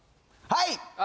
はい！